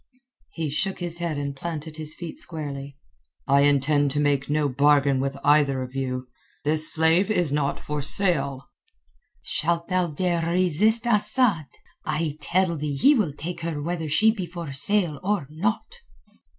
He shook his head and planted his feet squarely. "I intend to make no bargain with either of you. This slave is not for sale." "Shalt thou dare resist Asad? I tell thee he will take her whether she be for sale or not."